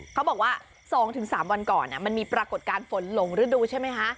เขาบอกว่า๒๓วันก่อนมันมีปรากฏการณ์ฝนหลงฤดูใช่ไหมคะ